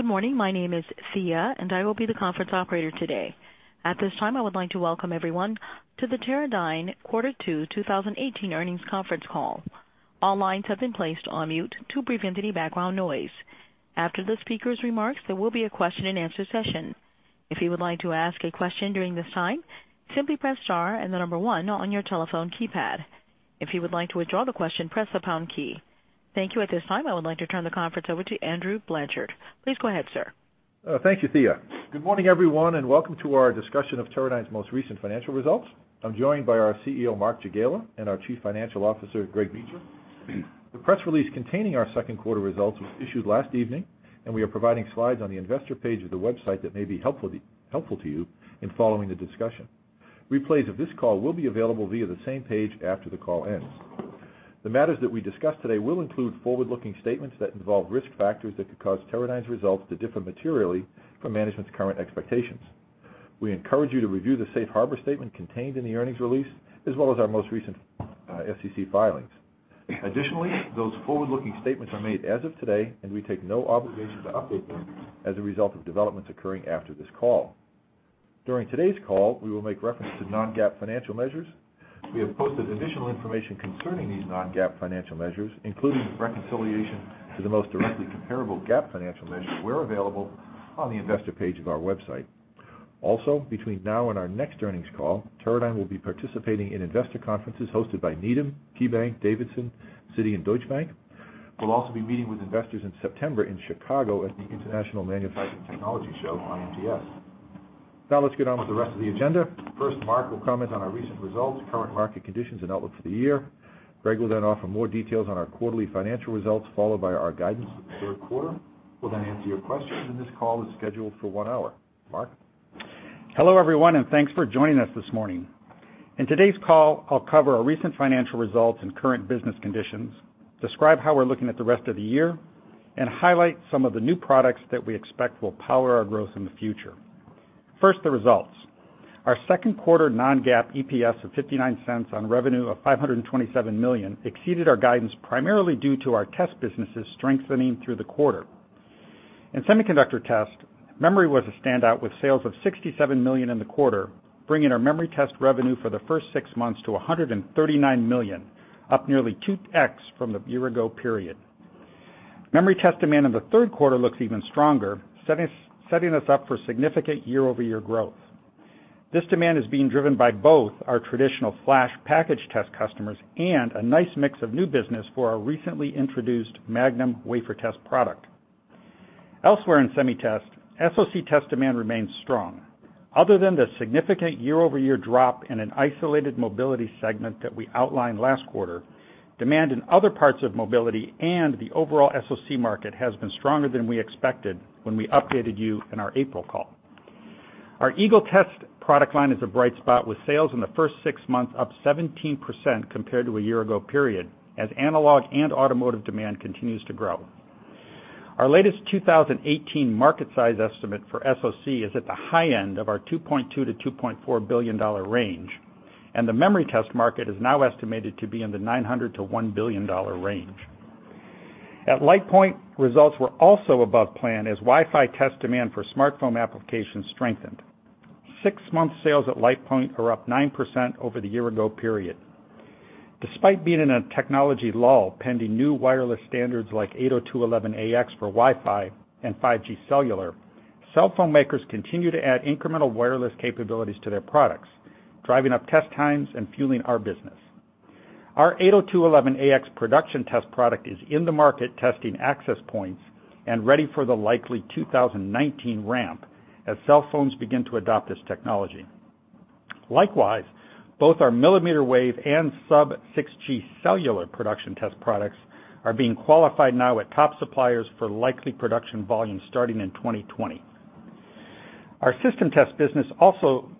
Good morning. My name is Thea, and I will be the conference operator today. At this time, I would like to welcome everyone to the Teradyne Quarter Two 2018 Earnings Conference Call. All lines have been placed on mute to prevent any background noise. After the speakers' remarks, there will be a question and answer session. If you would like to ask a question during this time, simply press star and the number 1 on your telephone keypad. If you would like to withdraw the question, press the pound key. Thank you. At this time, I would like to turn the conference over to Andrew Blanchard. Please go ahead, sir. Thank you, Thea. Good morning, everyone, and welcome to our discussion of Teradyne's most recent financial results. I'm joined by our CEO, Mark Jagiela, and our Chief Financial Officer, Greg Beecher. The press release containing our second quarter results was issued last evening, and we are providing slides on the investor page of the website that may be helpful to you in following the discussion. Replays of this call will be available via the same page after the call ends. The matters that we discuss today will include forward-looking statements that involve risk factors that could cause Teradyne's results to differ materially from management's current expectations. We encourage you to review the safe harbor statement contained in the earnings release, as well as our most recent SEC filings. Those forward-looking statements are made as of today, and we take no obligation to update them as a result of developments occurring after this call. During today's call, we will make reference to non-GAAP financial measures. We have posted additional information concerning these non-GAAP financial measures, including the reconciliation to the most directly comparable GAAP financial measures where available on the investor page of our website. Between now and our next earnings call, Teradyne will be participating in investor conferences hosted by Needham, KeyBanc, Davidson, Citi, and Deutsche Bank. We'll also be meeting with investors in September in Chicago at the International Manufacturing Technology Show, IMTS. Let's get on with the rest of the agenda. Mark will comment on our recent results, current market conditions, and outlook for the year. Greg will offer more details on our quarterly financial results, followed by our guidance for the third quarter. We'll answer your questions, this call is scheduled for one hour. Mark? Hello, everyone, and thanks for joining us this morning. In today's call, I'll cover our recent financial results and current business conditions, describe how we're looking at the rest of the year, and highlight some of the new products that we expect will power our growth in the future. First, the results. Our second quarter non-GAAP EPS of $0.59 on revenue of $527 million exceeded our guidance primarily due to our test businesses strengthening through the quarter. In semiconductor test, memory was a standout with sales of $67 million in the quarter, bringing our memory test revenue for the first six months to $139 million, up nearly 2x from the year-ago period. Memory test demand in the third quarter looks even stronger, setting us up for significant year-over-year growth. This demand is being driven by both our traditional flash package test customers and a nice mix of new business for our recently introduced Magnum wafer test product. Elsewhere in SemiTest, SOC test demand remains strong. Other than the significant year-over-year drop in an isolated mobility segment that we outlined last quarter, demand in other parts of mobility and the overall SOC market has been stronger than we expected when we updated you in our April call. Our Eagle Test product line is a bright spot, with sales in the first six months up 17% compared to a year-ago period, as analog and automotive demand continues to grow. Our latest 2018 market size estimate for SOC is at the high end of our $2.2 billion-$2.4 billion range, and the memory test market is now estimated to be in the $900 million-$1 billion range. At LitePoint, results were also above plan as Wi-Fi test demand for smartphone applications strengthened. Six-month sales at LitePoint are up 9% over the year-ago period. Despite being in a technology lull, pending new wireless standards like 802.11ax for Wi-Fi and 5G cellular, cell phone makers continue to add incremental wireless capabilities to their products, driving up test times and fueling our business. Our 802.11ax production test product is in the market testing access points and ready for the likely 2019 ramp as cell phones begin to adopt this technology. Likewise, both our millimeter wave and sub-6 GHz cellular production test products are being qualified now at top suppliers for likely production volume starting in 2020. Our system test business also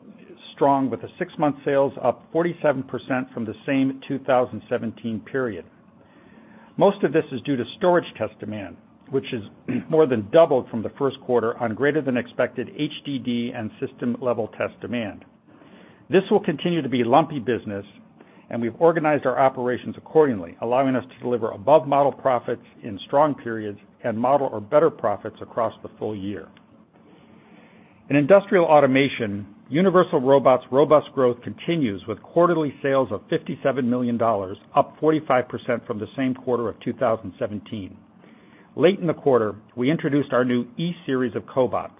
is strong with the six-month sales up 47% from the same 2017 period. Most of this is due to storage test demand, which has more than doubled from the first quarter on greater than expected HDD and system-level test demand. This will continue to be a lumpy business, and we've organized our operations accordingly, allowing us to deliver above-model profits in strong periods and model or better profits across the full year. In industrial automation, Universal Robots' robust growth continues with quarterly sales of $57 million, up 45% from the same quarter of 2017. Late in the quarter, we introduced our new e-Series of cobots.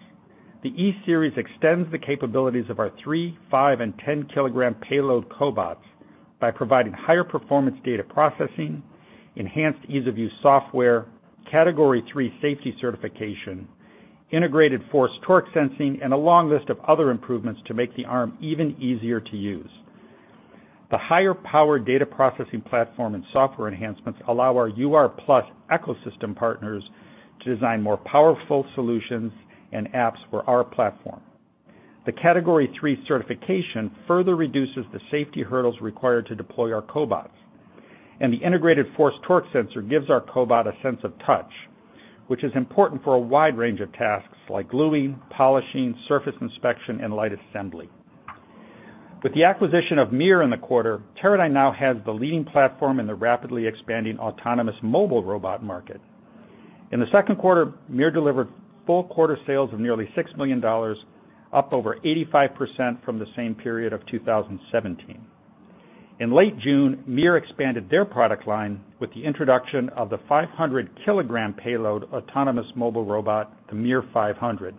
The e-Series extends the capabilities of our 3, 5, and 10-kilogram payload cobots by providing higher performance data processing, enhanced ease-of-use software, Category 3 safety certification, integrated force torque sensing, and a long list of other improvements to make the arm even easier to use. The higher power data processing platform and software enhancements allow our UR+ ecosystem partners to design more powerful solutions and apps for our platform. The Category 3 certification further reduces the safety hurdles required to deploy our cobots, and the integrated force torque sensor gives our cobot a sense of touch, which is important for a wide range of tasks like gluing, polishing, surface inspection, and light assembly. With the acquisition of MiR in the quarter, Teradyne now has the leading platform in the rapidly expanding autonomous mobile robot market. In the second quarter, MiR delivered full quarter sales of nearly $6 million, up over 85% from the same period of 2017. In late June, MiR expanded their product line with the introduction of the 500-kilogram payload autonomous mobile robot, the MiR500.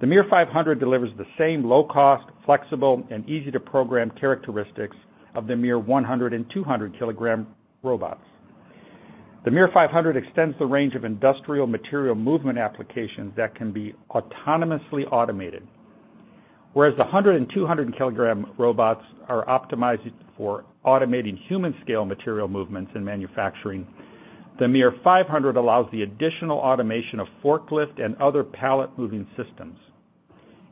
The MiR500 delivers the same low-cost, flexible, and easy-to-program characteristics of the MiR100 and 200-kilogram robots. The MiR500 extends the range of industrial material movement applications that can be autonomously automated. Whereas the 100 and 200-kilogram robots are optimized for automating human-scale material movements in manufacturing, the MiR500 allows the additional automation of forklift and other pallet-moving systems.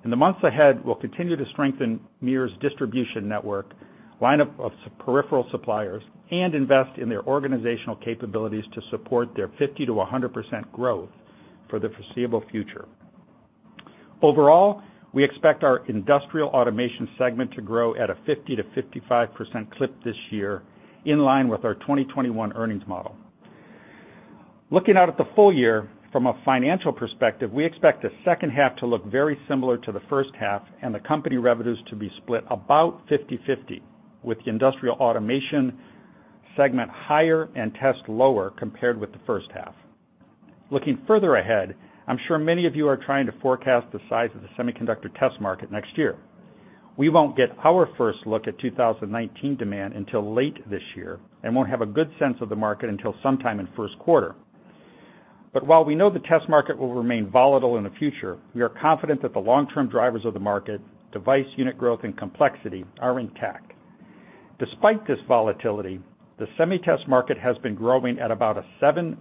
In the months ahead, we'll continue to strengthen MiR's distribution network, lineup of peripheral suppliers, and invest in their organizational capabilities to support their 50%-100% growth for the foreseeable future. Overall, we expect our Industrial Automation segment to grow at a 50%-55% clip this year, in line with our 2021 earnings model. Looking out at the full year from a financial perspective, we expect the second half to look very similar to the first half and the company revenues to be split about 50/50, with the Industrial Automation segment higher and Test lower compared with the first half. Looking further ahead, I'm sure many of you are trying to forecast the size of the semiconductor test market next year. We won't get our first look at 2019 demand until late this year, and won't have a good sense of the market until sometime in the first quarter. While we know the test market will remain volatile in the future, we are confident that the long-term drivers of the market, device unit growth, and complexity are intact. Despite this volatility, the SemiTest market has been growing at about a 7%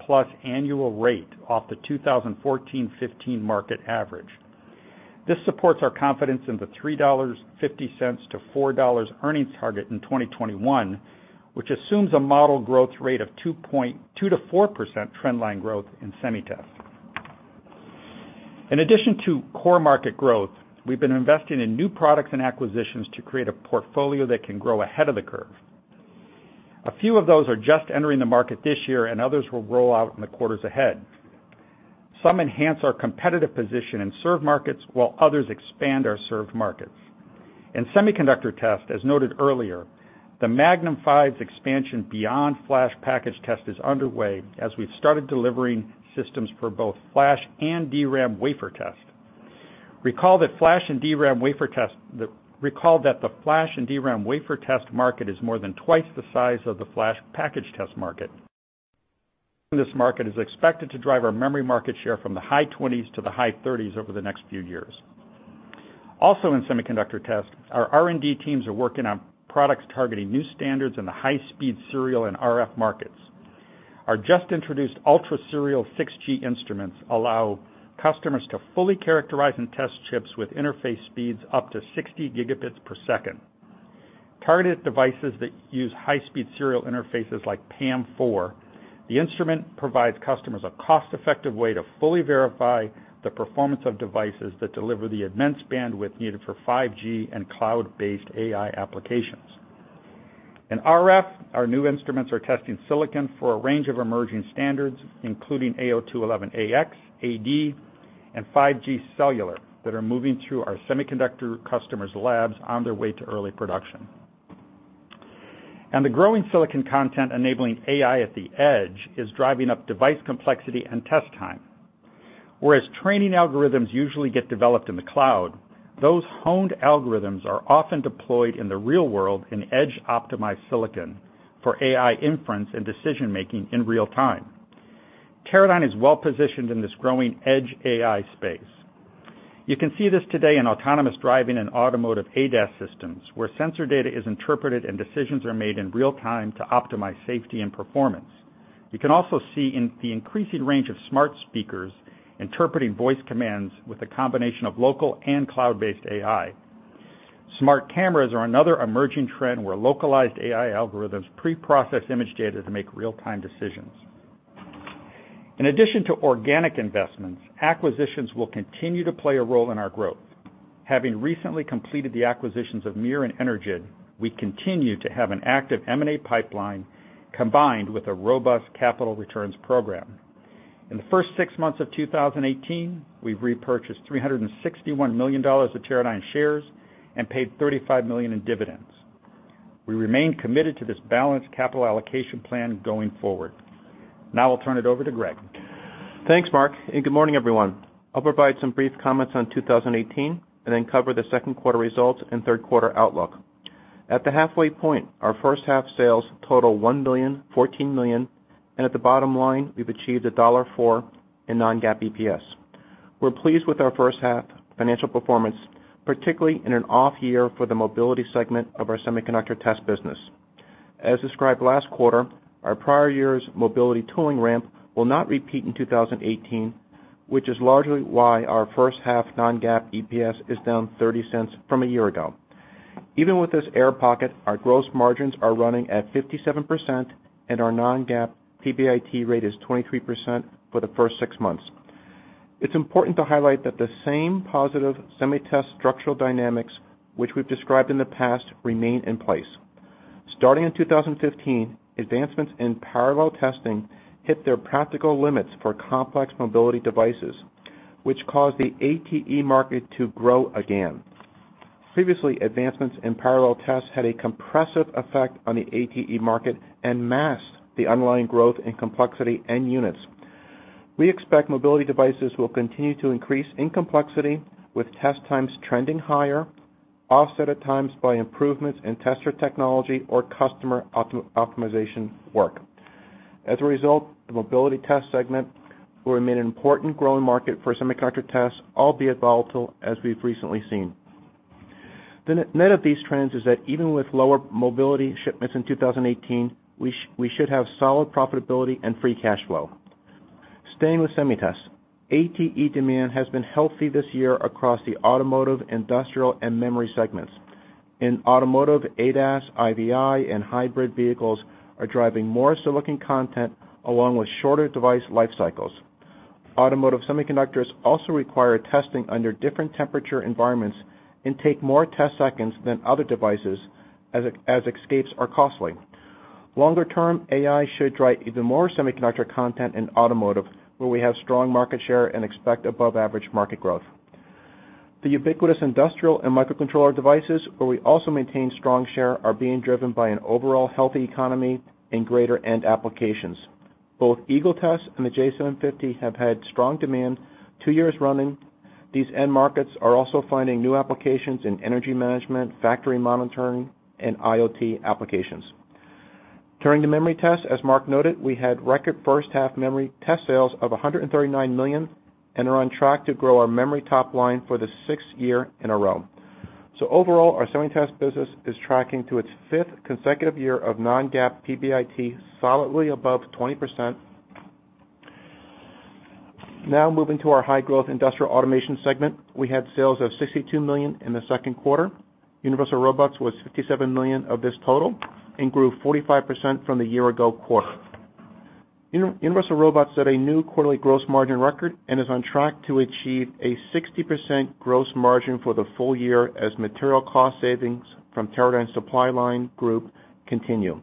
plus annual rate off the 2014-2015 market average. This supports our confidence in the $3.50-$4 earnings target in 2021, which assumes a model growth rate of 2%-4% trend line growth in SemiTest. In addition to core market growth, we've been investing in new products and acquisitions to create a portfolio that can grow ahead of the curve. A few of those are just entering the market this year, and others will roll out in the quarters ahead. Some enhance our competitive position in served markets, while others expand our served markets. In semiconductor test, as noted earlier, the Magnum V's expansion beyond flash package test is underway as we've started delivering systems for both flash and DRAM wafer test. Recall that the flash and DRAM wafer test market is more than twice the size of the flash package test market. This market is expected to drive our memory market share from the high 20s to the high 30s over the next few years. In semiconductor test, our R&D teams are working on products targeting new standards in the high-speed serial and RF markets. Our just-introduced UltraSerial60G instruments allow customers to fully characterize and test chips with interface speeds up to 60 Gbps. Targeted devices that use high-speed serial interfaces like PAM4, the instrument provides customers a cost-effective way to fully verify the performance of devices that deliver the immense bandwidth needed for 5G and cloud-based AI applications. In RF, our new instruments are testing silicon for a range of emerging standards, including 802.11ax, 802.11ad, and 5G cellular that are moving through our semiconductor customers' labs on their way to early production. The growing silicon content enabling AI at the edge is driving up device complexity and test time. Whereas training algorithms usually get developed in the cloud, those honed algorithms are often deployed in the real world in edge-optimized silicon for AI inference and decision-making in real-time. Teradyne is well-positioned in this growing edge AI space. You can see this today in autonomous driving and automotive ADAS systems, where sensor data is interpreted and decisions are made in real-time to optimize safety and performance. You can also see in the increasing range of smart speakers interpreting voice commands with a combination of local and cloud-based AI. Smart cameras are another emerging trend where localized AI algorithms pre-process image data to make real-time decisions. In addition to organic investments, acquisitions will continue to play a role in our growth. Having recently completed the acquisitions of MiR and Energid, we continue to have an active M&A pipeline combined with a robust capital returns program. In the first six months of 2018, we've repurchased $361 million of Teradyne shares and paid $35 million in dividends. We remain committed to this balanced capital allocation plan going forward. Now I'll turn it over to Greg. Thanks, Mark, and good morning, everyone. I'll provide some brief comments on 2018 and then cover the second quarter results and third-quarter outlook. At the halfway point, our first-half sales total $1 billion, $14 million, and at the bottom line, we've achieved $1.04 in non-GAAP EPS. We're pleased with our first-half financial performance, particularly in an off-year for the mobility segment of our semiconductor test business. As described last quarter, our prior year's mobility tooling ramp will not repeat in 2018, which is largely why our first-half non-GAAP EPS is down $0.30 from a year ago. Even with this air pocket, our gross margins are running at 57% and our non-GAAP PBIT rate is 23% for the first six months. It's important to highlight that the same positive SemiTest structural dynamics, which we've described in the past, remain in place. Starting in 2015, advancements in parallel testing hit their practical limits for complex mobility devices, which caused the ATE market to grow again. Previously, advancements in parallel tests had a compressive effect on the ATE market and masked the underlying growth in complexity end units. We expect mobility devices will continue to increase in complexity, with test times trending higher, offset at times by improvements in tester technology or customer optimization work. As a result, the mobility test segment will remain an important growing market for semiconductor tests, albeit volatile, as we've recently seen. The net of these trends is that even with lower mobility shipments in 2018, we should have solid profitability and free cash flow. Staying with SemiTest, ATE demand has been healthy this year across the automotive, industrial, and memory segments. In automotive, ADAS, IVI, and hybrid vehicles are driving more silicon content along with shorter device life cycles. Automotive semiconductors also require testing under different temperature environments and take more test seconds than other devices, as escapes are costly. Longer term, AI should drive even more semiconductor content in automotive, where we have strong market share and expect above-average market growth. The ubiquitous industrial and microcontroller devices, where we also maintain strong share, are being driven by an overall healthy economy and greater end applications. Both EagleTest and the J750 have had strong demand two years running. These end markets are also finding new applications in energy management, factory monitoring, and IoT applications. Turning to memory test, as Mark noted, we had record first-half memory test sales of $139 million and are on track to grow our memory top line for the sixth year in a row. Overall, our SemiTest business is tracking to its fifth consecutive year of non-GAAP PBIT solidly above 20%. Now moving to our high-growth industrial automation segment. We had sales of $62 million in the second quarter. Universal Robots was $57 million of this total and grew 45% from the year-ago quarter. Universal Robots set a new quarterly gross margin record and is on track to achieve a 60% gross margin for the full year as material cost savings from Teradyne supply line group continue.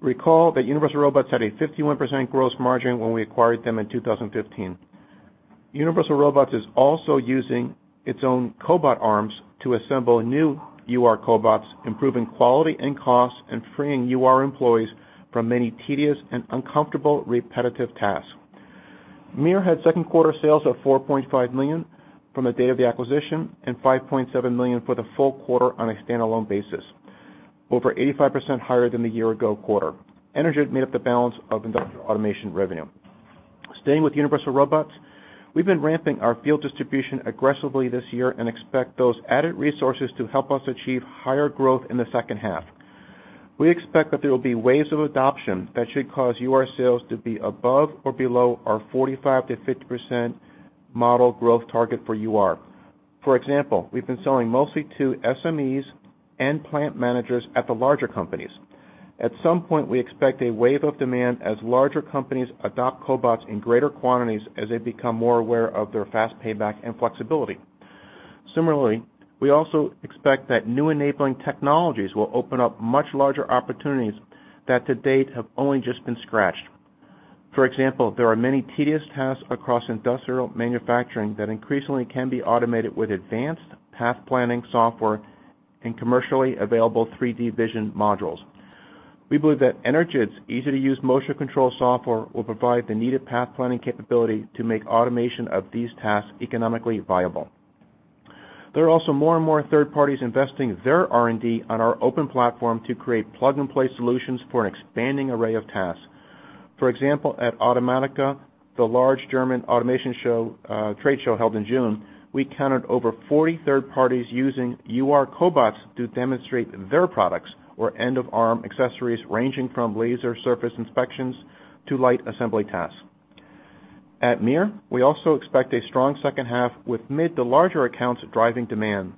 Recall that Universal Robots had a 51% gross margin when we acquired them in 2015. Universal Robots is also using its own cobot arms to assemble new UR cobots, improving quality and costs and freeing UR employees from many tedious and uncomfortable repetitive tasks. MiR had second quarter sales of $4.5 million from the date of the acquisition and $5.7 million for the full quarter on a standalone basis, over 85% higher than the year-ago quarter. Energid made up the balance of industrial automation revenue. Staying with Universal Robots, we've been ramping our field distribution aggressively this year and expect those added resources to help us achieve higher growth in the second half. We expect that there will be waves of adoption that should cause UR sales to be above or below our 45%-50% model growth target for UR. For example, we've been selling mostly to SMEs and plant managers at the larger companies. At some point, we expect a wave of demand as larger companies adopt cobots in greater quantities as they become more aware of their fast payback and flexibility. We also expect that new enabling technologies will open up much larger opportunities that to date have only just been scratched. For example, there are many tedious tasks across industrial manufacturing that increasingly can be automated with advanced path planning software and commercially available 3D vision modules. We believe that Energid's easy-to-use motion control software will provide the needed path planning capability to make automation of these tasks economically viable. There are also more and more third parties investing their R&D on our open platform to create plug-and-play solutions for an expanding array of tasks. For example, at Automatica, the large German automation trade show held in June, we counted over 40 third parties using UR cobots to demonstrate their products or end-of-arm accessories ranging from laser surface inspections to light assembly tasks. At MiR, we also expect a strong second half with mid to larger accounts driving demand.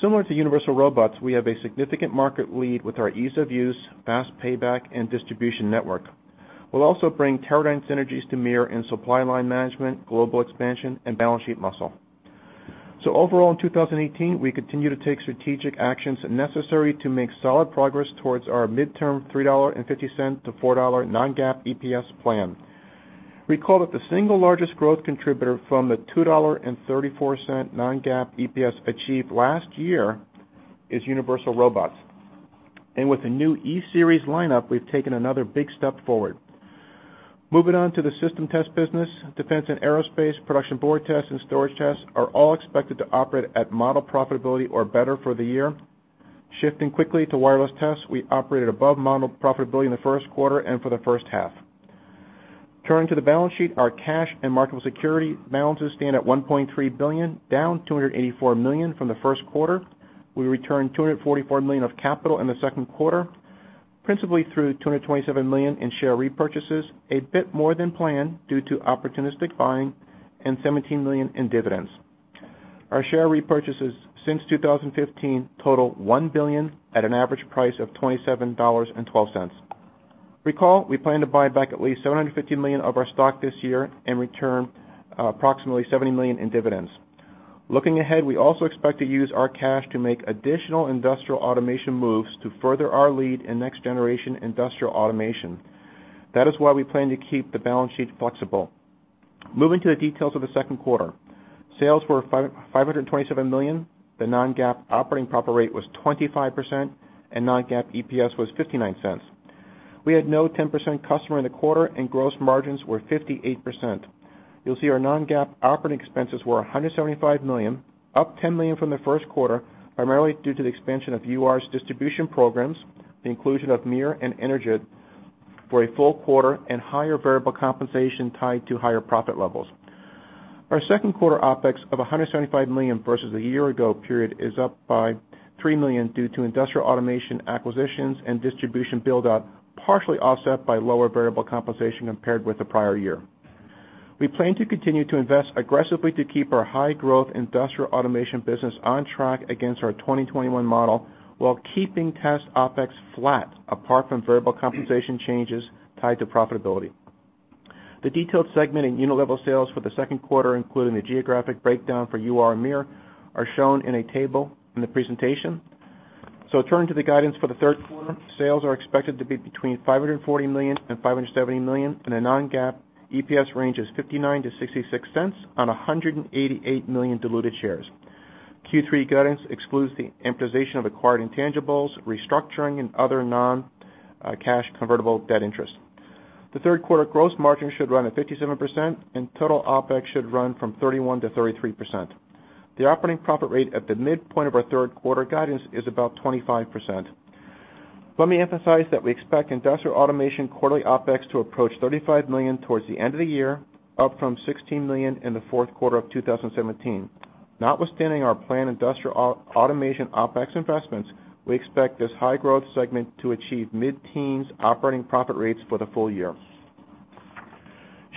Similar to Universal Robots, we have a significant market lead with our ease of use, fast payback, and distribution network. We'll also bring Teradyne synergies to MiR in supply line management, global expansion, and balance sheet muscle. Overall, in 2018, we continue to take strategic actions necessary to make solid progress towards our midterm $3.50-$4 non-GAAP EPS plan. Recall that the single largest growth contributor from the $2.34 non-GAAP EPS achieved last year is Universal Robots. With the new e-Series lineup, we've taken another big step forward. Moving on to the System Test business, defense and aerospace, production board tests, and storage tests are all expected to operate at model profitability or better for the year. Shifting quickly to wireless tests, we operated above model profitability in the first quarter and for the first half. Turning to the balance sheet, our cash and marketable security balances stand at $1.3 billion, down $284 million from the first quarter. We returned $244 million of capital in the second quarter. Principally through $227 million in share repurchases, a bit more than planned due to opportunistic buying, and $17 million in dividends. Our share repurchases since 2015 total $1 billion at an average price of $27.12. Recall, we plan to buy back at least $750 million of our stock this year and return approximately $70 million in dividends. Looking ahead, we also expect to use our cash to make additional industrial automation moves to further our lead in next-generation industrial automation. That is why we plan to keep the balance sheet flexible. Moving to the details of the second quarter. Sales were $527 million, the non-GAAP operating profit rate was 25%, and non-GAAP EPS was $0.59. We had no 10% customer in the quarter, and gross margins were 58%. You'll see our non-GAAP operating expenses were $175 million, up $10 million from the first quarter, primarily due to the expansion of UR's distribution programs, the inclusion of MiR and Energid for a full quarter, and higher variable compensation tied to higher profit levels. Our second quarter OpEx of $175 million versus a year-ago period is up by $3 million due to industrial automation acquisitions and distribution build-out, partially offset by lower variable compensation compared with the prior year. We plan to continue to invest aggressively to keep our high-growth industrial automation business on track against our 2021 model while keeping test OpEx flat, apart from variable compensation changes tied to profitability. The detailed segment and unit-level sales for the second quarter, including the geographic breakdown for UR and MiR, are shown in a table in the presentation. Turning to the guidance for the third quarter. Sales are expected to be between $540 million-$570 million, and the non-GAAP EPS range is $0.59-$0.66 on 188 million diluted shares. Q3 guidance excludes the amortization of acquired intangibles, restructuring, and other non-cash convertible debt interest. The third quarter gross margin should run at 57%, and total OpEx should run from 31%-33%. The operating profit rate at the midpoint of our third quarter guidance is about 25%. Let me emphasize that we expect industrial automation quarterly OpEx to approach $35 million towards the end of the year, up from $16 million in the fourth quarter of 2017. Notwithstanding our planned industrial automation OpEx investments, we expect this high-growth segment to achieve mid-teens operating profit rates for the full year.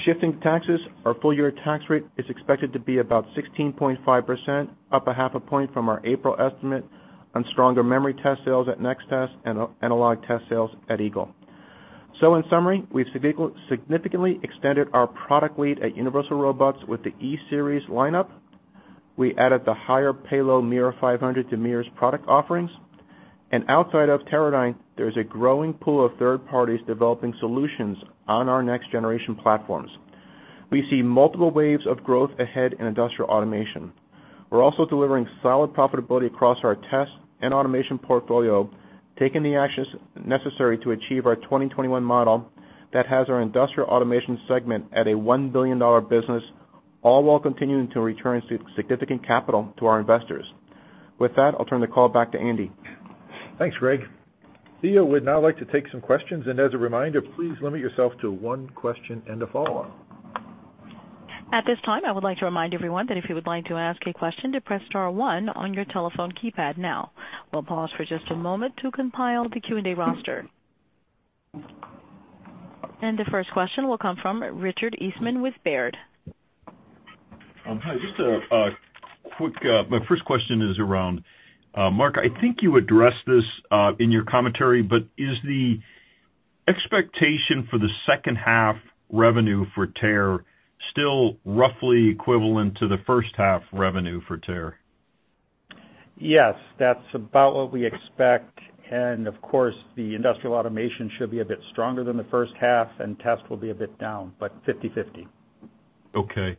Shifting to taxes, our full-year tax rate is expected to be about 16.5%, up a half a point from our April estimate on stronger memory test sales at Nextest and analog test sales at Eagle. In summary, we've significantly extended our product lead at Universal Robots with the e-Series lineup. We added the higher payload MiR500 to MiR's product offerings. Outside of Teradyne, there's a growing pool of third parties developing solutions on our next-generation platforms. We see multiple waves of growth ahead in industrial automation. We're also delivering solid profitability across our test and automation portfolio, taking the actions necessary to achieve our 2021 model that has our industrial automation segment at a $1 billion business, all while continuing to return significant capital to our investors. With that, I'll turn the call back to Andy. Thanks, Greg. Thea would now like to take some questions, and as a reminder, please limit yourself to one question and a follow-up. At this time, I would like to remind everyone that if you would like to ask a question, to press star one on your telephone keypad now. We'll pause for just a moment to compile the Q&A roster. The first question will come from Richard Eastman with Baird. My first question is around, Mark, I think you addressed this in your commentary. Is the expectation for the second half revenue for Ter still roughly equivalent to the first half revenue for Ter? Yes, that's about what we expect. Of course, the industrial automation should be a bit stronger than the first half, and test will be a bit down, but 50/50. Okay.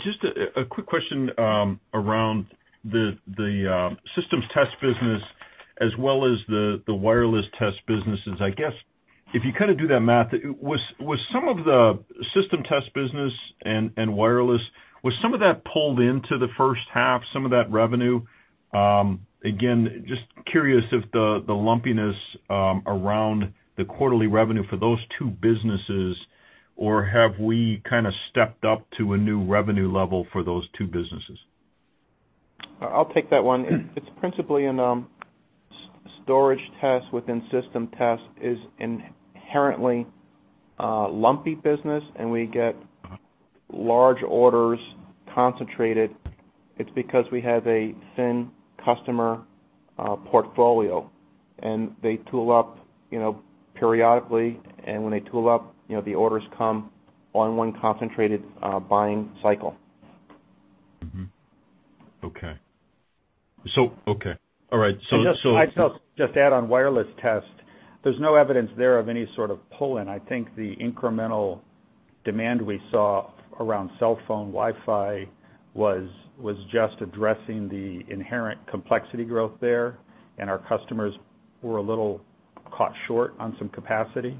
Just a quick question around the systems test business as well as the wireless test businesses. I guess, if you do that math, was some of the system test business and wireless, was some of that pulled into the first half, some of that revenue? Again, just curious if the lumpiness around the quarterly revenue for those two businesses, or have we kind of stepped up to a new revenue level for those two businesses? I'll take that one. It's principally in storage test within system test is inherently a lumpy business, and we get large orders concentrated. It's because we have a thin customer portfolio, and they tool up periodically, and when they tool up, the orders come all in one concentrated buying cycle. Mm-hmm. Okay. All right. I'd just add on wireless test, there's no evidence there of any sort of pull-in. I think the incremental demand we saw around cell phone Wi-Fi was just addressing the inherent complexity growth there, and our customers were a little caught short on some capacity.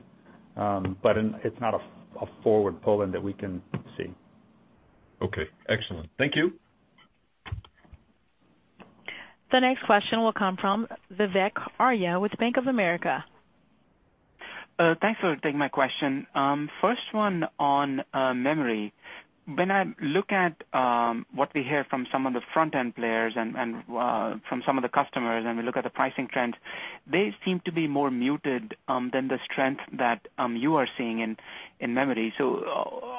It's not a forward pull-in that we can see. Okay, excellent. Thank you. The next question will come from Vivek Arya with Bank of America. Thanks for taking my question. First one on memory. When I look at what we hear from some of the front-end players and from some of the customers, and we look at the pricing trends, they seem to be more muted than the strength that you are seeing in memory.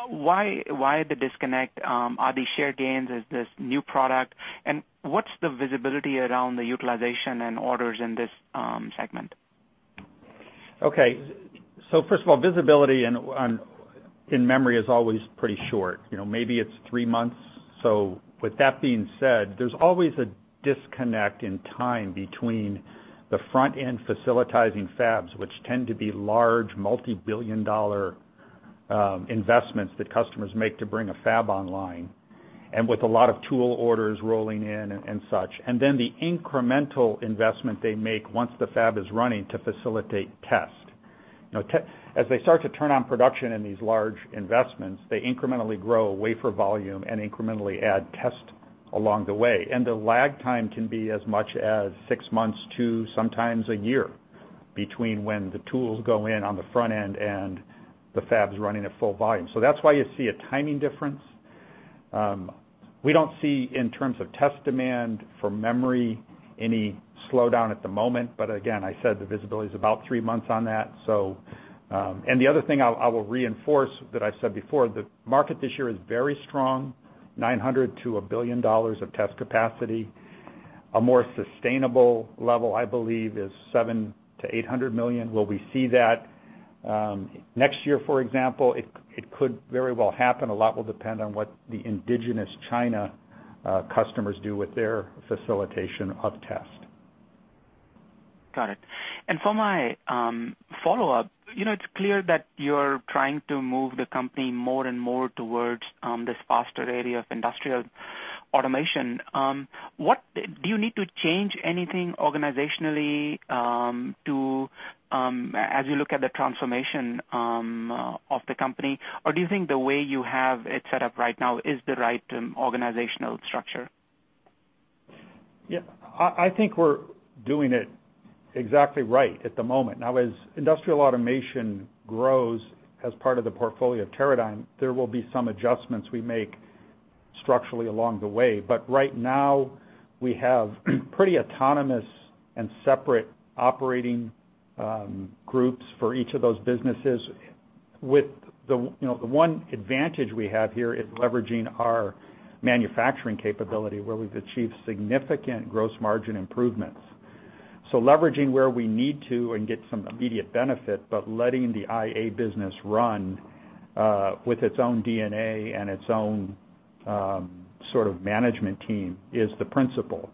Why the disconnect? Are these share gains? Is this new product? What's the visibility around the utilization and orders in this segment? Okay. First of all, visibility in memory is always pretty short, maybe it's three months. With that being said, there's always a disconnect in time between the front-end facilitizing fabs, which tend to be large multi-billion-dollar investments that customers make to bring a fab online, with a lot of tool orders rolling in and such. Then the incremental investment they make once the fab is running to facilitate test. As they start to turn on production in these large investments, they incrementally grow wafer volume and incrementally add test along the way. The lag time can be as much as six months to sometimes a year between when the tools go in on the front end and the fab's running at full volume. That's why you see a timing difference. We don't see, in terms of test demand for memory, any slowdown at the moment, but again, I said the visibility is about three months on that. The other thing I will reinforce that I said before, the market this year is very strong, $900 million to $1 billion of test capacity. A more sustainable level, I believe, is $700 million to $800 million. Will we see that next year, for example? It could very well happen. A lot will depend on what the indigenous China customers do with their facilitation of test. Got it. For my follow-up, it's clear that you're trying to move the company more and more towards this faster area of industrial automation. Do you need to change anything organizationally as you look at the transformation of the company, or do you think the way you have it set up right now is the right organizational structure? Yeah. I think we're doing it exactly right at the moment. As industrial automation grows as part of the portfolio of Teradyne, there will be some adjustments we make structurally along the way. Right now, we have pretty autonomous and separate operating groups for each of those businesses. The one advantage we have here is leveraging our manufacturing capability, where we've achieved significant gross margin improvements. Leveraging where we need to and get some immediate benefit, but letting the IA business run with its own DNA and its own management team is the principle.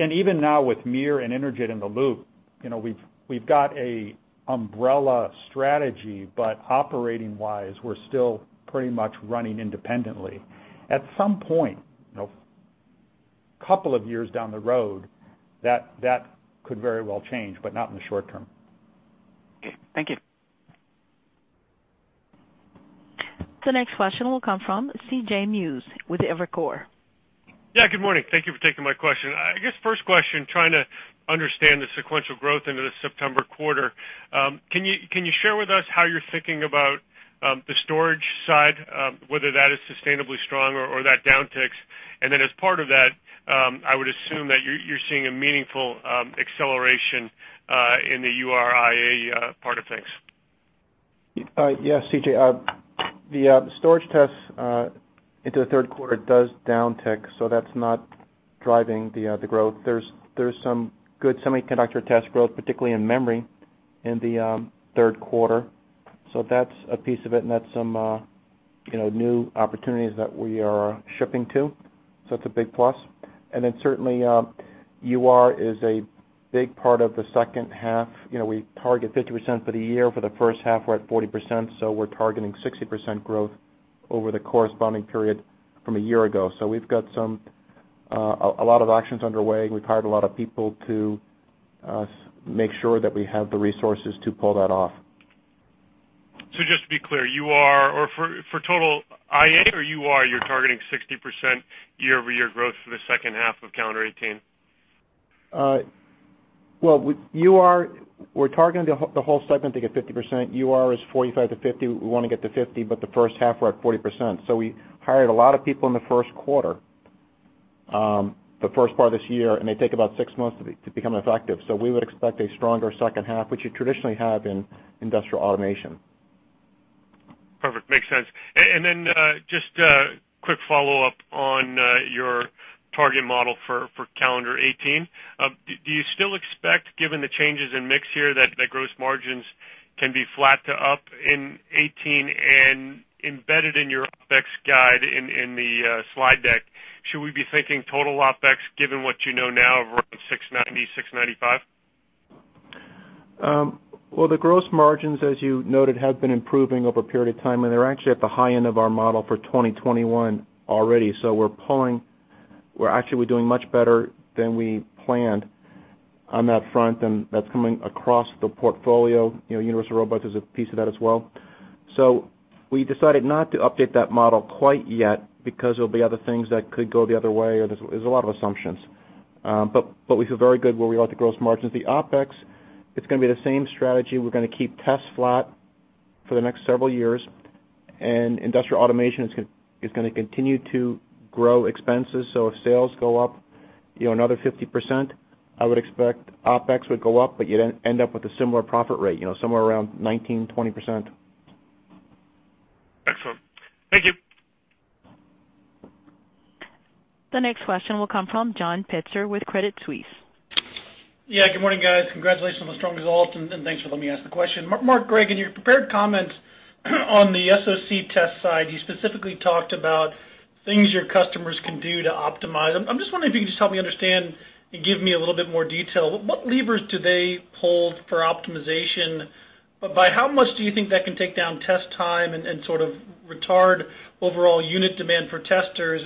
Even now with MiR and Energid in the loop, we've got an umbrella strategy, but operating-wise, we're still pretty much running independently. At some point, a couple of years down the road, that could very well change, but not in the short term. Okay. Thank you. The next question will come from C.J. Muse with Evercore. Yeah, good morning. Thank you for taking my question. I guess first question, trying to understand the sequential growth into the September quarter. Can you share with us how you're thinking about the storage side, whether that is sustainably strong or that downticks? As part of that, I would assume that you're seeing a meaningful acceleration in the UR IA part of things. Yes, C.J. The storage test into the third quarter does downtick. That's not driving the growth. There's some good semiconductor test growth, particularly in memory in the third quarter. That's a piece of it, and that's some new opportunities that we are shipping to. It's a big plus. Certainly, UR is a big part of the second half. We target 50% for the year. For the first half, we're at 40%. We're targeting 60% growth over the corresponding period from a year ago. We've got a lot of actions underway, and we've hired a lot of people to make sure that we have the resources to pull that off. Just to be clear, for total IA or UR, you're targeting 60% year-over-year growth for the second half of calendar 2018? We're targeting the whole segment to get 50%. UR is 45 to 50. We want to get to 50. The first half we're at 40%. We hired a lot of people in the first quarter, the first part of this year, and they take about six months to become effective. We would expect a stronger second half, which you traditionally have in industrial automation. Perfect. Makes sense. Just a quick follow-up on your target model for calendar 2018. Do you still expect, given the changes in mix here, that gross margins can be flat to up in 2018? Embedded in your OpEx guide in the slide deck, should we be thinking total OpEx, given what you know now of around $690-$695? The gross margins, as you noted, have been improving over a period of time, and they're actually at the high end of our model for 2021 already. We're actually doing much better than we planned on that front, and that's coming across the portfolio. Universal Robots is a piece of that as well. We decided not to update that model quite yet because there'll be other things that could go the other way, or there's a lot of assumptions. We feel very good where we are at the gross margins. The OpEx, it's going to be the same strategy. We're going to keep test flat for the next several years, and industrial automation is going to continue to grow expenses. If sales go up another 50%, I would expect OpEx would go up, but you'd end up with a similar profit rate, somewhere around 19%-20%. Excellent. Thank you. The next question will come from John Pitzer with Credit Suisse. Yeah, good morning, guys. Congratulations on the strong results, and thanks for letting me ask the question. Mark, Greg, in your prepared comments on the SOC test side, you specifically talked about things your customers can do to optimize them. I'm just wondering if you could just help me understand and give me a little bit more detail. What levers do they pull for optimization? By how much do you think that can take down test time and sort of retard overall unit demand for testers?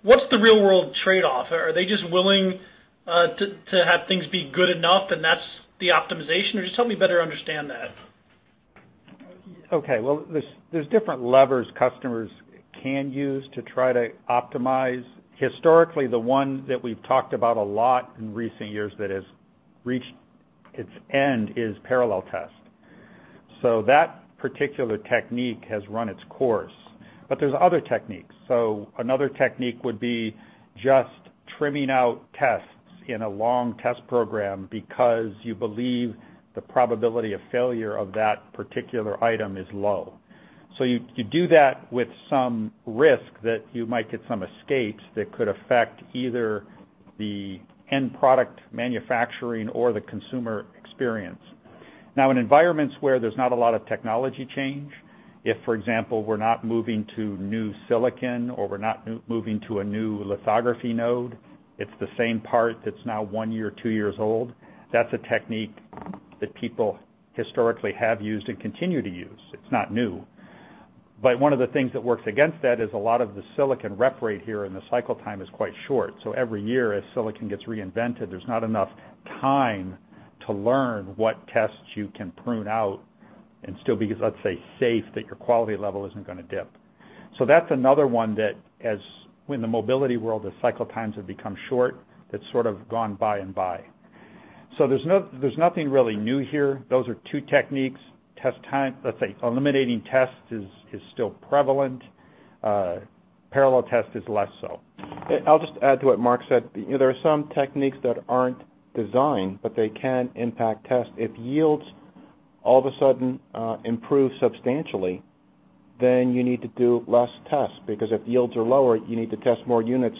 What's the real-world trade-off? Are they just willing to have things be good enough, and that's the optimization? Just help me better understand that. Okay. Well, there's different levers customers can use to try to optimize. Historically, the one that we've talked about a lot in recent years that has reached its end is parallel test. That particular technique has run its course. There's other techniques. Another technique would be just trimming out tests in a long test program because you believe the probability of failure of that particular item is low. You do that with some risk that you might get some escapes that could affect either the end product manufacturing or the consumer experience. In environments where there's not a lot of technology change, if, for example, we're not moving to new silicon or we're not moving to a new lithography node, it's the same part that's now one year, two years old. That's a technique that people historically have used and continue to use. It's not new. One of the things that works against that is a lot of the silicon rep rate here and the cycle time is quite short. Every year, as silicon gets reinvented, there's not enough time to learn what tests you can prune out and still be, let's say, safe that your quality level isn't going to dip. That's another one that as, in the mobility world, the cycle times have become short, that's sort of gone by and by. There's nothing really new here. Those are two techniques. Test time, let's say eliminating tests is still prevalent. Parallel test is less so. I'll just add to what Mark said. There are some techniques that aren't designed. They can impact test. If yields all of a sudden improve substantially, you need to do less tests, because if yields are lower, you need to test more units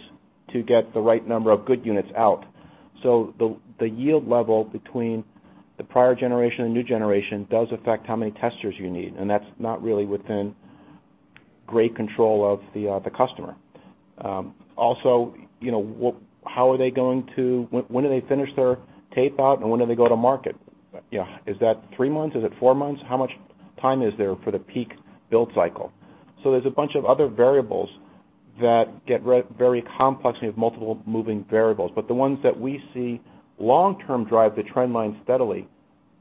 to get the right number of good units out. The yield level between the prior generation and new generation does affect how many testers you need, and that's not really within great control of the customer. Also, when do they finish their tape out and when do they go to market? Is that three months? Is it four months? How much time is there for the peak build cycle? There's a bunch of other variables that get very complex and you have multiple moving variables. The ones that we see long-term drive the trend line steadily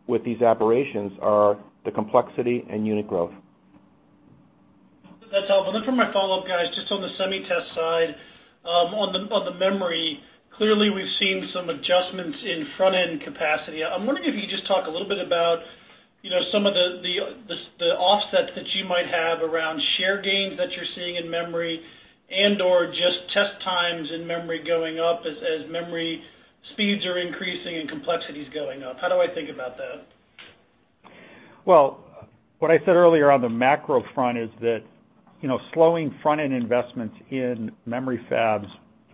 with these aberrations are the complexity and unit growth. That's helpful. Then for my follow-up, guys, just on the SemiTest side, on the memory, clearly, we've seen some adjustments in front-end capacity. I'm wondering if you could just talk a little bit about some of the offsets that you might have around share gains that you're seeing in memory and/or just test times in memory going up as memory speeds are increasing and complexity's going up. How do I think about that? Well, what I said earlier on the macro front is that slowing front-end investments in memory fabs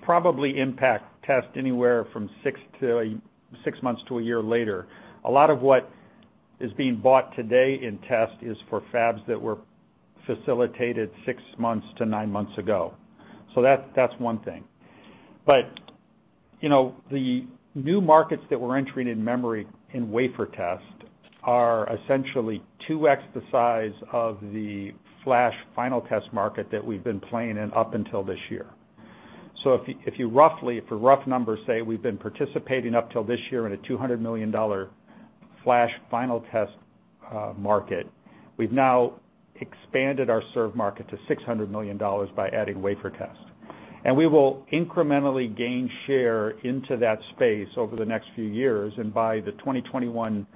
probably impact test anywhere from six months to a year later. A lot of what is being bought today in test is for fabs that were facilitated six months to nine months ago. That's one thing. The new markets that we're entering in memory in wafer test are essentially two x the size of the flash final test market that we've been playing in up until this year. If you roughly, for rough numbers, say we've been participating up till this year in a $200 million flash final test market, we've now expanded our served market to $600 million by adding wafer test. We will incrementally gain share into that space over the next few years. By the 2021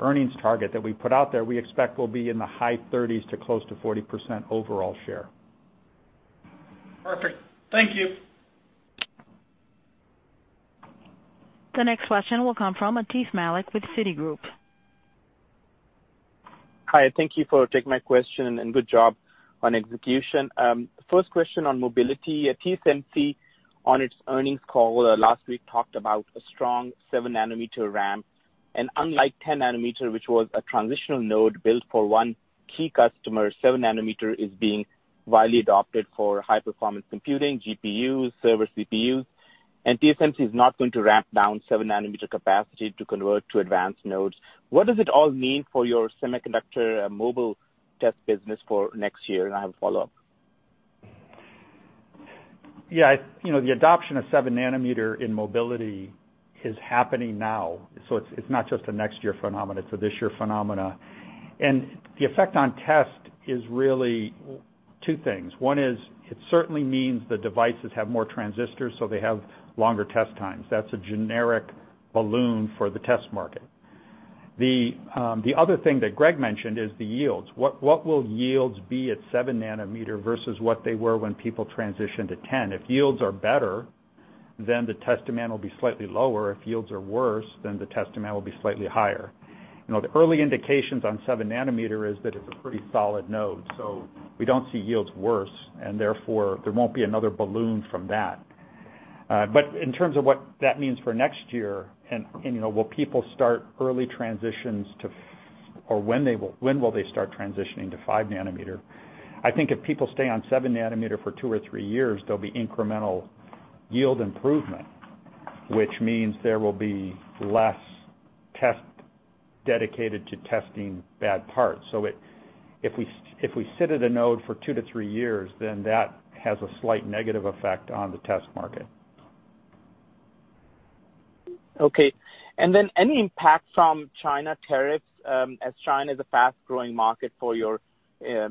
earnings target that we put out there, we expect we'll be in the high 30s to close to 40% overall share. Perfect. Thank you. The next question will come from Atif Malik with Citigroup. Hi, thank you for taking my question, and good job on execution. First question on mobility. TSMC, on its earnings call last week, talked about a strong 7nm ramp, unlike 10-nanometer, which was a transitional node built for one key customer, 7nm is being widely adopted for high-performance computing, GPUs, server CPUs. TSMC is not going to ramp down 7nm capacity to convert to advanced nodes. What does it all mean for your semiconductor mobile test business for next year? I have a follow-up. Yeah. The adoption of 7nm in mobility is happening now. It's not just a next year phenomenon, it's a this year phenomenon. The effect on test is really Two things. One is, it certainly means the devices have more transistors, so they have longer test times. That's a generic balloon for the test market. The other thing that Greg mentioned is the yields. What will yields be at seven nanometer versus what they were when people transitioned to 10? If yields are better, the test demand will be slightly lower. If yields are worse, the test demand will be slightly higher. The early indications on seven nanometer is that it's a pretty solid node, we don't see yields worse, therefore, there won't be another balloon from that. In terms of what that means for next year, will people start early transitions to, or when will they start transitioning to five nanometer? I think if people stay on seven nanometer for two or three years, there'll be incremental yield improvement, which means there will be less test dedicated to testing bad parts. If we sit at a node for two to three years, that has a slight negative effect on the test market. Any impact from China tariffs, as China is a fast-growing market for your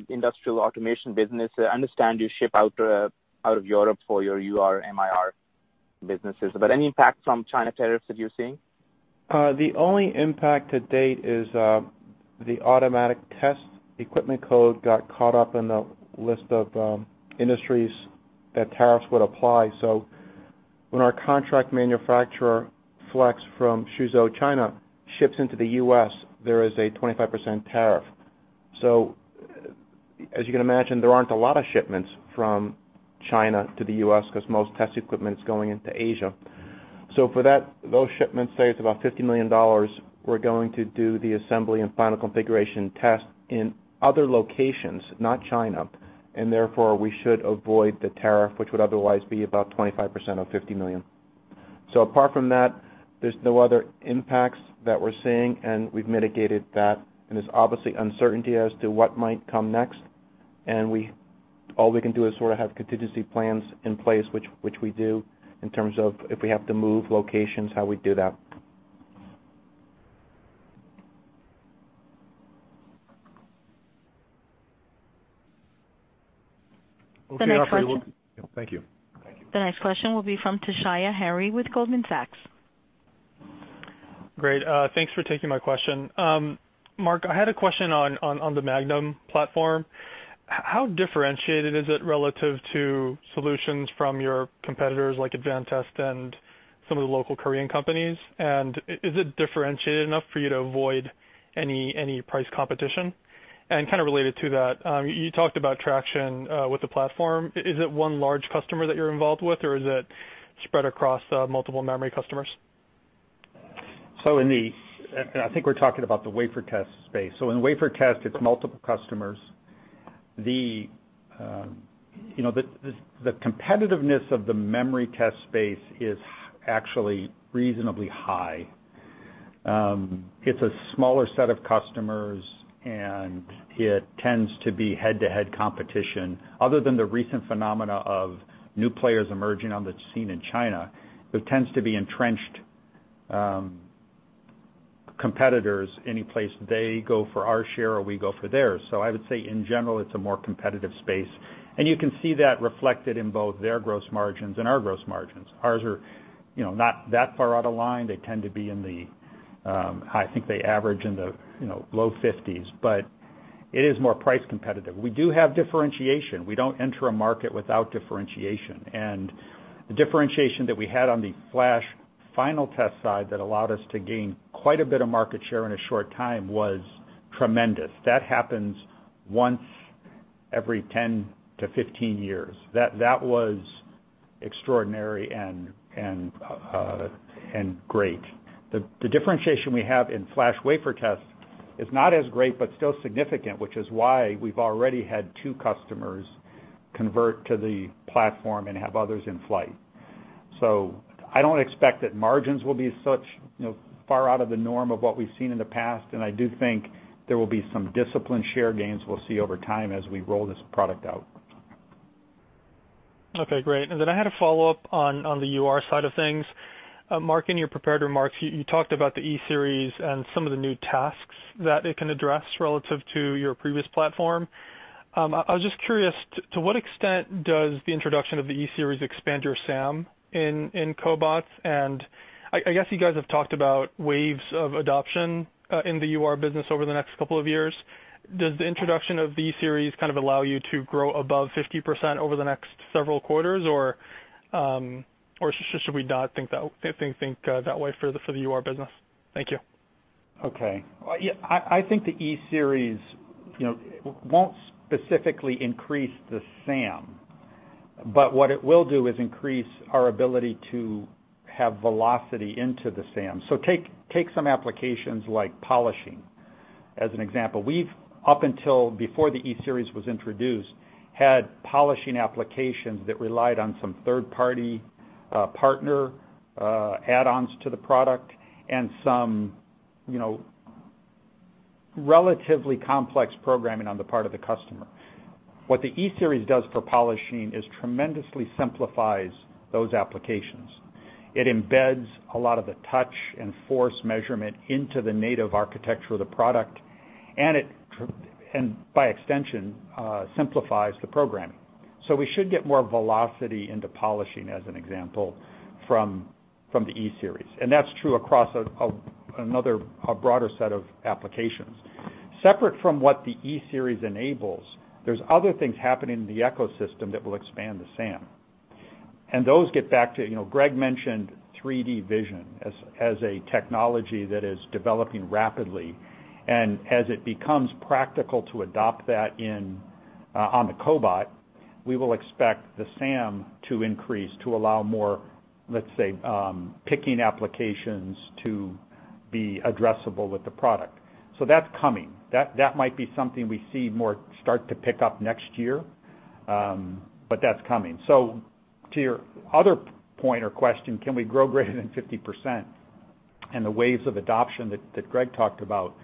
industrial automation business. I understand you ship out of Europe for your UR and MiR businesses. Any impact from China tariffs that you are seeing? The only impact to date is, the automatic test equipment code got caught up in the list of industries that tariffs would apply. When our contract manufacturer, Flex from Suzhou, China, ships into the U.S., there is a 25% tariff. As you can imagine, there are not a lot of shipments from China to the U.S. because most test equipment is going into Asia. For those shipments, say it is about $50 million, we are going to do the assembly and final configuration test in other locations, not China, and therefore, we should avoid the tariff, which would otherwise be about 25% of $50 million. Apart from that, there is no other impacts that we are seeing, and we have mitigated that. There is obviously uncertainty as to what might come next. All we can do is sort of have contingency plans in place, which we do, in terms of if we have to move locations, how we would do that. Okay. The next question. Thank you. The next question will be from Toshiya Hari with Goldman Sachs. Great. Thanks for taking my question. Mark, I had a question on the Magnum platform. How differentiated is it relative to solutions from your competitors, like Advantest and some of the local Korean companies? Is it differentiated enough for you to avoid any price competition? Kind of related to that, you talked about traction with the platform. Is it one large customer that you're involved with, or is it spread across multiple memory customers? I think we're talking about the wafer test space. In wafer test, it's multiple customers. The competitiveness of the memory test space is actually reasonably high. It's a smaller set of customers, and it tends to be head-to-head competition. Other than the recent phenomena of new players emerging on the scene in China, it tends to be entrenched competitors any place they go for our share, or we go for theirs. I would say, in general, it's a more competitive space. You can see that reflected in both their gross margins and our gross margins. Ours are not that far out of line. They tend to be in the, I think they average in the low 50s, but it is more price competitive. We do have differentiation. We don't enter a market without differentiation. The differentiation that we had on the flash final test side that allowed us to gain quite a bit of market share in a short time was tremendous. That happens once every 10 to 15 years. That was extraordinary and great. The differentiation we have in flash wafer test is not as great but still significant, which is why we've already had two customers convert to the platform and have others in flight. I don't expect that margins will be such far out of the norm of what we've seen in the past, and I do think there will be some disciplined share gains we'll see over time as we roll this product out. Okay, great. I had a follow-up on the UR side of things. Mark, in your prepared remarks, you talked about the e-Series and some of the new tasks that it can address relative to your previous platform. I was just curious, to what extent does the introduction of the e-Series expand your SAM in cobots? I guess you guys have talked about waves of adoption in the UR business over the next couple of years. Does the introduction of the e-Series kind of allow you to grow above 50% over the next several quarters, or should we not think that way for the UR business? Thank you. Okay. I think the e-Series won't specifically increase the SAM, but what it will do is increase our ability to have velocity into the SAM. Take some applications like polishing as an example. We've, up until before the e-Series was introduced, had polishing applications that relied on some third-party partner add-ons to the product and some relatively complex programming on the part of the customer. What the e-Series does for polishing is tremendously simplifies those applications. It embeds a lot of the touch and force measurement into the native architecture of the product, and by extension, simplifies the programming. We should get more velocity into polishing, as an example, from the e-Series. That's true across a broader set of applications. Separate from what the e-Series enables, there's other things happening in the ecosystem that will expand the SAM. Those get back to, Greg mentioned 3D vision as a technology that is developing rapidly, and as it becomes practical to adopt that on the cobot, we will expect the SAM to increase to allow more, let's say, picking applications to be addressable with the product. That's coming. That might be something we see more start to pick up next year, but that's coming. To your other point or question, can we grow greater than 50% and the waves of adoption that Greg talked about?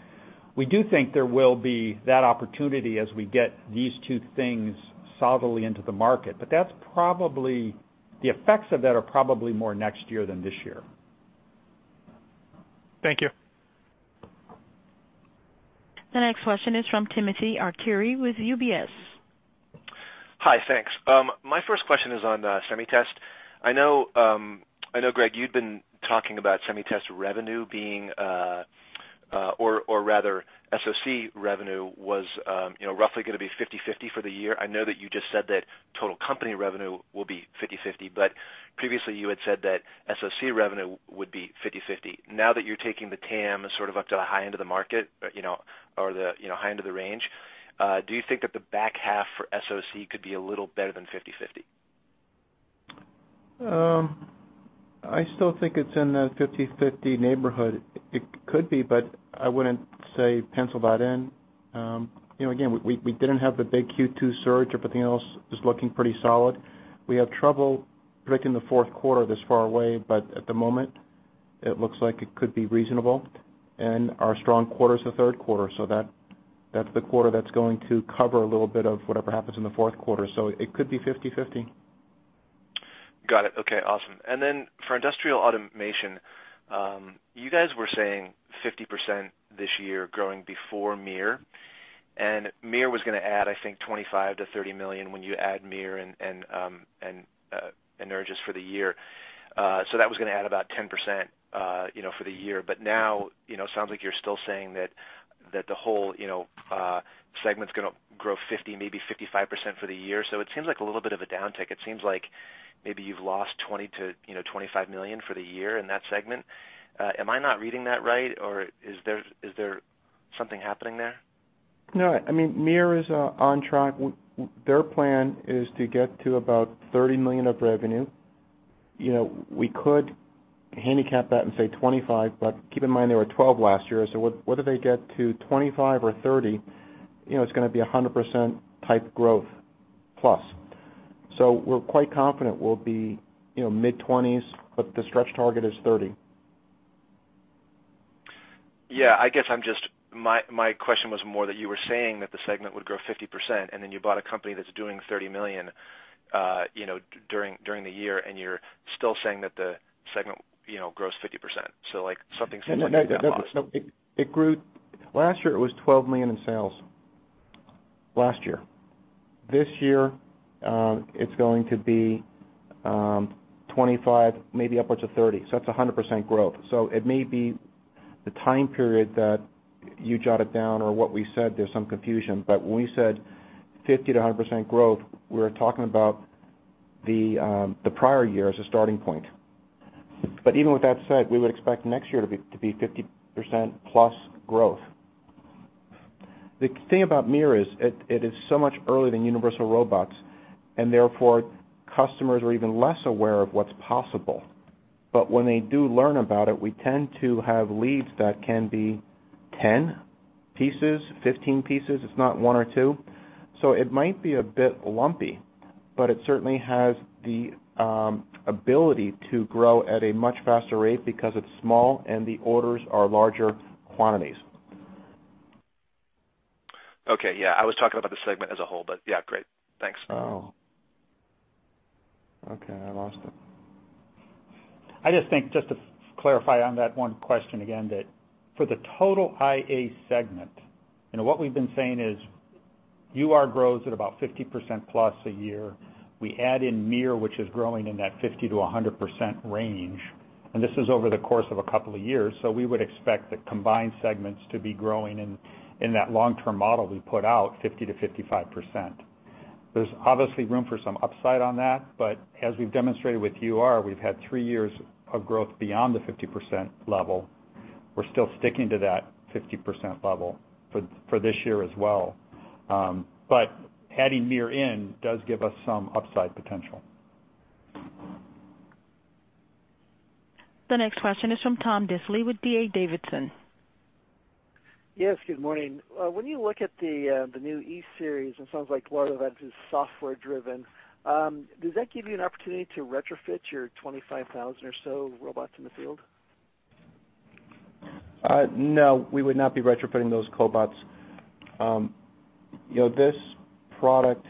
We do think there will be that opportunity as we get these two things solidly into the market. The effects of that are probably more next year than this year. Thank you. The next question is from Timothy Arcuri with UBS. Hi. Thanks. My first question is on SemiTest. I know, Greg, you'd been talking about SemiTest revenue being, or rather SOC revenue was roughly going to be 50/50 for the year. I know that you just said that total company revenue will be 50/50, but previously you had said that SOC revenue would be 50/50. Now that you're taking the TAM sort of up to the high end of the market, or the high end of the range, do you think that the back half for SOC could be a little better than 50/50? I still think it's in the 50/50 neighborhood. It could be, but I wouldn't say pencil that in. Again, we didn't have the big Q2 surge. Everything else is looking pretty solid. We have trouble predicting the fourth quarter this far away, but at the moment, it looks like it could be reasonable, and our strong quarter is the third quarter, so that's the quarter that's going to cover a little bit of whatever happens in the fourth quarter. It could be 50/50. Got it. Okay, awesome. For Industrial Automation, you guys were saying 50% this year growing before MiR, and MiR was going to add, I think, $25 million to $30 million when you add MiR and Energid for the year. That was going to add about 10% for the year. Now, it sounds like you're still saying that the whole segment's going to grow 50%, maybe 55% for the year. It seems like a little bit of a downtick. It seems like maybe you've lost $20 million to $25 million for the year in that segment. Am I not reading that right? Is there something happening there? No, MiR is on track. Their plan is to get to about $30 million of revenue. We could handicap that and say $25 million, but keep in mind, they were $12 million last year. Whether they get to $25 million or $30 million, it's going to be 100% type growth plus. We're quite confident we'll be mid-20s, but the stretch target is $30 million. Yeah, I guess my question was more that you were saying that the segment would grow 50%. You bought a company that's doing $30 million during the year, and you're still saying that the segment grows 50%. Something seems like it got lost. No. Last year it was $12 million in sales. Last year. This year, it's going to be $25 million, maybe upwards of $30 million. That's 100% growth. It may be the time period that you jotted down or what we said, there's some confusion. When we said 50% to 100% growth, we were talking about the prior year as a starting point. Even with that said, we would expect next year to be 50% plus growth. The thing about MiR is it is so much earlier than Universal Robots. Therefore, customers are even less aware of what's possible. When they do learn about it, we tend to have leads that can be 10 pieces, 15 pieces. It's not one or two. It might be a bit lumpy, but it certainly has the ability to grow at a much faster rate because it's small, and the orders are larger quantities. Okay. Yeah. I was talking about the segment as a whole, but yeah, great. Thanks. Okay, I lost it. Just to clarify on that one question again, for the total IA segment, what we've been saying is UR grows at about 50% plus a year. We add in MiR, which is growing in that 50%-100% range, and this is over the course of a couple of years. We would expect the combined segments to be growing in that long-term model we put out 50%-55%. There's obviously room for some upside on that, but as we've demonstrated with UR, we've had three years of growth beyond the 50% level. We're still sticking to that 50% level for this year as well. Adding MiR in does give us some upside potential. The next question is from Tom Diffely with D.A. Davidson. Yes, good morning. When you look at the new e-Series, it sounds like a lot of that is software driven. Does that give you an opportunity to retrofit your 25,000 or so robots in the field? No, we would not be retrofitting those cobots. This product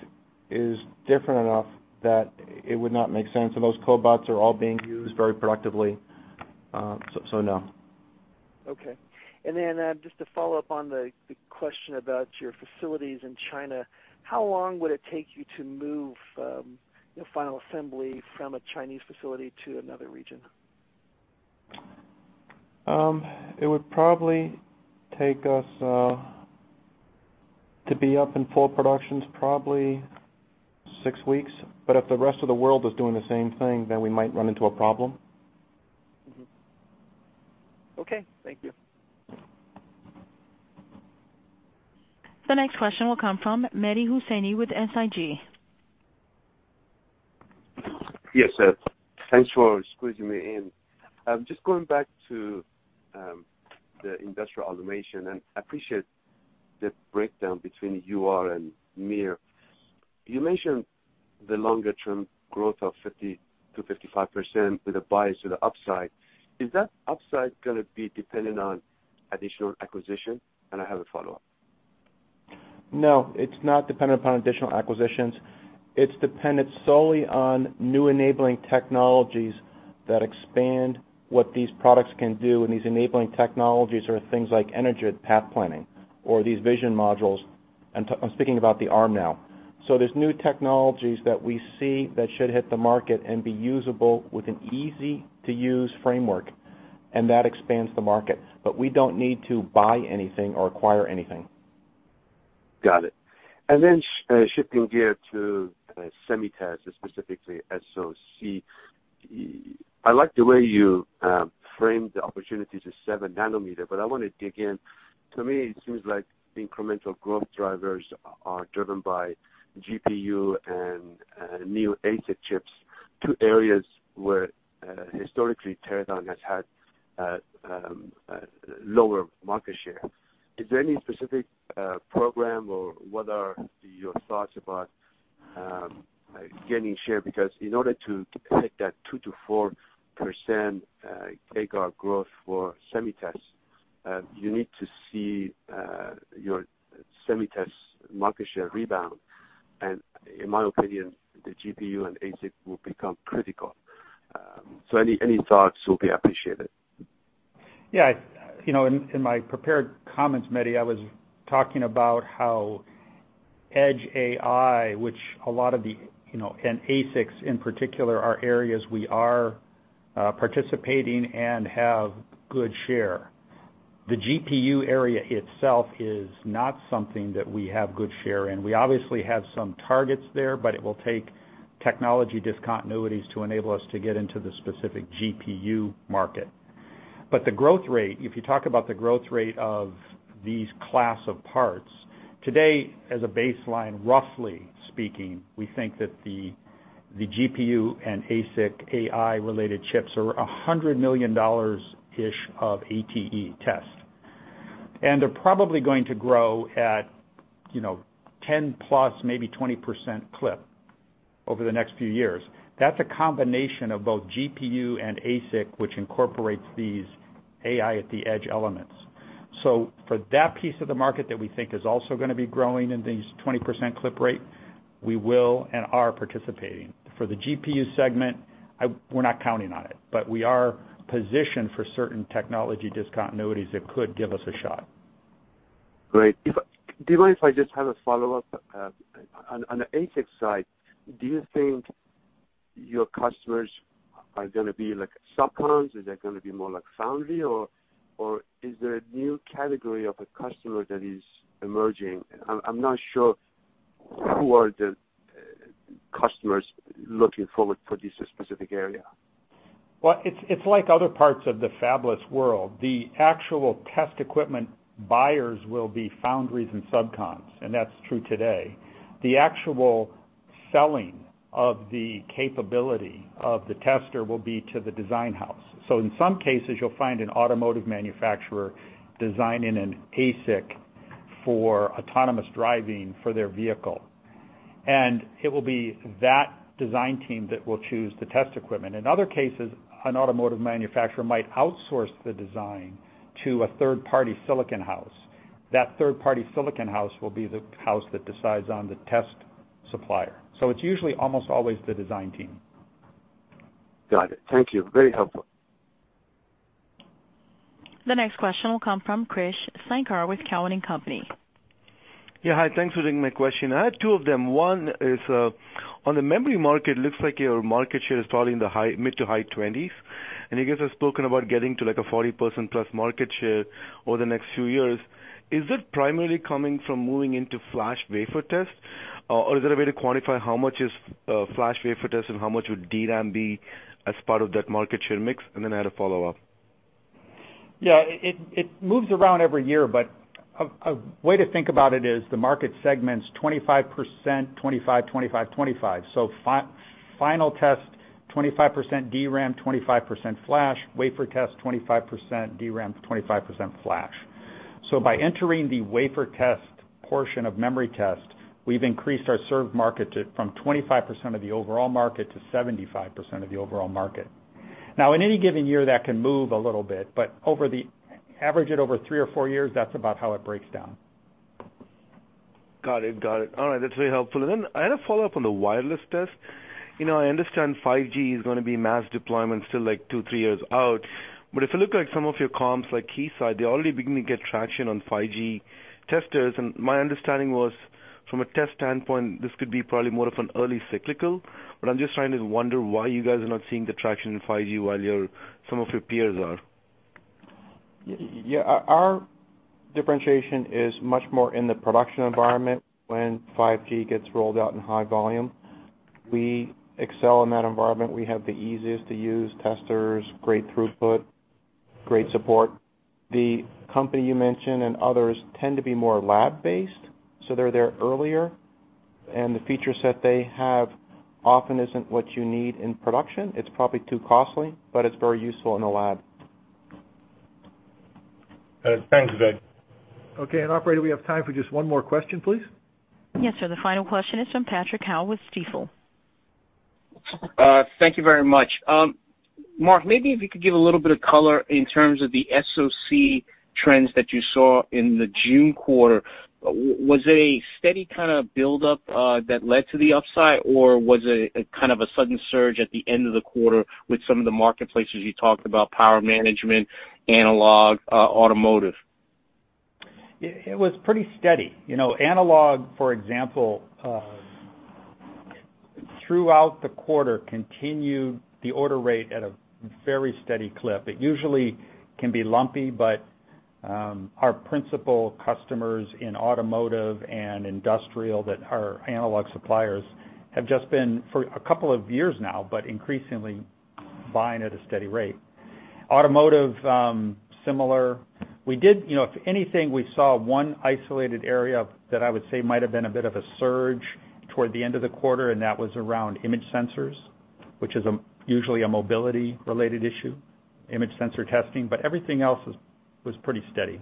is different enough that it would not make sense, and those cobots are all being used very productively. No. Okay. Just to follow up on the question about your facilities in China, how long would it take you to move final assembly from a Chinese facility to another region? It would probably take us, to be up in full production, probably six weeks. If the rest of the world is doing the same thing, then we might run into a problem. Mm-hmm. Okay. Thank you. The next question will come from Mehdi Hosseini with SIG. Yes, thanks for squeezing me in. Just going back to the industrial automation, appreciate the breakdown between UR and MiR. You mentioned the longer-term growth of 50%-55% with a bias to the upside. Is that upside going to be dependent on additional acquisition? I have a follow-up. No, it's not dependent upon additional acquisitions. It's dependent solely on new enabling technologies that expand what these products can do, and these enabling technologies are things like Energid path planning or these vision modules. I'm speaking about the arm now. There's new technologies that we see that should hit the market and be usable with an easy-to-use framework, and that expands the market. We don't need to buy anything or acquire anything. Got it. Shifting gear to SemiTest, specifically SOC. I like the way you framed the opportunities as 7nm, but I want to dig in. To me, it seems like the incremental growth drivers are driven by GPU and new ASIC chips, two areas where historically Teradyne has had lower market share. Is there any specific program or what are your thoughts about getting share? Because in order to hit that 2%-4% CAGR growth for SemiTest, you need to see your SemiTest market share rebound. In my opinion, the GPU and ASIC will become critical. Any thoughts will be appreciated. Yeah. In my prepared comments, Mehdi, I was talking about how edge AI, and ASICs in particular, are areas we are participating in and have good share. The GPU area itself is not something that we have good share in. We obviously have some targets there, but it will take technology discontinuities to enable us to get into the specific GPU market. The growth rate, if you talk about the growth rate of these class of parts, today, as a baseline, roughly speaking, we think that the GPU and ASIC AI-related chips are $100 million-ish of ATE tests, and they're probably going to grow at 10%+ maybe 20% clip over the next few years. That's a combination of both GPU and ASIC, which incorporates these AI at the edge elements. For that piece of the market that we think is also going to be growing in this 20% clip rate, we will and are participating. For the GPU segment, we're not counting on it, but we are positioned for certain technology discontinuities that could give us a shot. Great. Do you mind if I just have a follow-up? On the ASIC side, do you think your customers are going to be subcoms? Is that going to be more like foundry, or is there a new category of a customer that is emerging? I'm not sure who are the customers looking forward for this specific area. Well, it's like other parts of the fabless world. The actual test equipment buyers will be foundries and subcoms, and that's true today. The actual selling of the capability of the tester will be to the design house. In some cases, you'll find an automotive manufacturer designing an ASIC for autonomous driving for their vehicle, and it will be that design team that will choose the test equipment. In other cases, an automotive manufacturer might outsource the design to a third-party silicon house. That third-party silicon house will be the house that decides on the test supplier. It's usually almost always the design team. Got it. Thank you. Very helpful. The next question will come from Krish Sankar with Cowen and Company. Hi. Thanks for taking my question. I have two of them. One is, on the memory market, looks like your market share is probably in the mid to high 20s, I guess you've spoken about getting to a 40%-plus market share over the next few years. Is it primarily coming from moving into flash wafer test, or is there a way to quantify how much is flash wafer test and how much would DRAM be as part of that market share mix? I had a follow-up. It moves around every year, but a way to think about it is the market segment's 25%, 25%, 25%, 25%. Final test, 25% DRAM, 25% flash, wafer test, 25% DRAM, 25% flash. By entering the wafer test portion of memory test, we've increased our served market from 25% of the overall market to 75% of the overall market. Now, in any given year, that can move a little bit, but average it over three or four years, that's about how it breaks down. Got it. All right. That's very helpful. I had a follow-up on the wireless test. I understand 5G is going to be mass deployment still like two, three years out. If you look at some of your comps, like Keysight, they're already beginning to get traction on 5G testers. My understanding was, from a test standpoint, this could be probably more of an early cyclical, but I'm just trying to wonder why you guys are not seeing the traction in 5G while some of your peers are. Our differentiation is much more in the production environment when 5G gets rolled out in high volume. We excel in that environment. We have the easiest-to-use testers, great throughput, great support. The company you mentioned and others tend to be more lab-based, they're there earlier, the features that they have often isn't what you need in production. It's probably too costly, but it's very useful in a lab. Thanks, [Mate]. Okay. Operator, we have time for just one more question, please. Yes, sir. The final question is from Patrick Ho with Stifel. Thank you very much. Mark, maybe if you could give a little bit of color in terms of the SOC trends that you saw in the June quarter. Was it a steady kind of buildup that led to the upside, or was it a kind of a sudden surge at the end of the quarter with some of the marketplaces you talked about, power management, analog, automotive? It was pretty steady. Analog, for example, throughout the quarter, continued the order rate at a very steady clip. It usually can be lumpy, but our principal customers in automotive and industrial that are analog suppliers have just been, for a couple of years now, but increasingly, buying at a steady rate. Automotive, similar. If anything, we saw one isolated area that I would say might have been a bit of a surge toward the end of the quarter, and that was around image sensors, which is usually a mobility-related issue, image sensor testing. Everything else was pretty steady.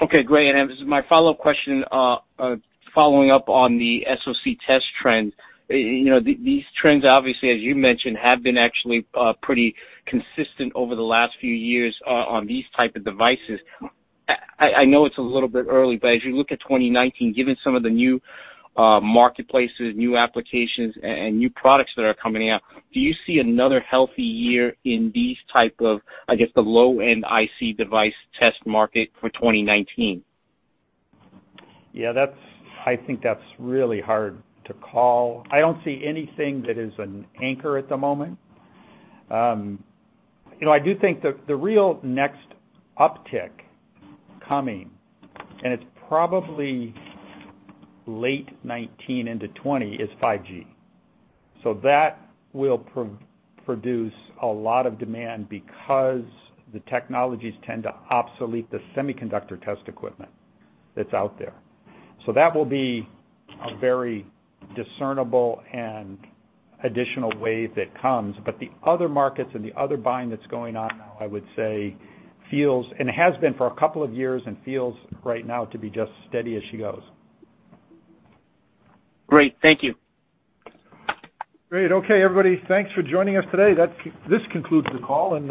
Okay, great. This is my follow-up question, following up on the SOC test trend. These trends, obviously, as you mentioned, have been actually pretty consistent over the last few years on these type of devices. I know it's a little bit early, but as you look at 2019, given some of the new marketplaces, new applications, and new products that are coming out, do you see another healthy year in these type of, I guess, the low-end IC device test market for 2019? Yeah, I think that's really hard to call. I don't see anything that is an anchor at the moment. I do think the real next uptick coming, and it's probably late 2019 into 2020, is 5G. That will produce a lot of demand because the technologies tend to obsolete the semiconductor test equipment that's out there. That will be a very discernible and additional wave that comes. The other markets and the other buying that's going on now, I would say, feels and has been for a couple of years and feels right now to be just steady as she goes. Great. Thank you. Great. Okay, everybody, thanks for joining us today. This concludes the call and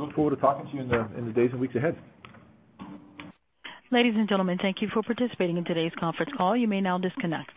look forward to talking to you in the days and weeks ahead. Ladies and gentlemen, thank you for participating in today's conference call. You may now disconnect.